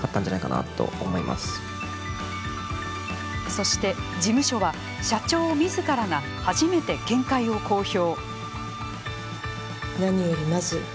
そして事務所は社長みずからが初めて見解を公表。